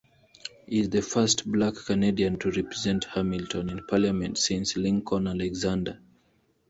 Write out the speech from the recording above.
He is the first Black Canadian to represent Hamilton in parliament since Lincoln Alexander.